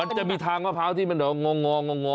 มันจะมีทางมะพร้าวที่มันแบบงองอ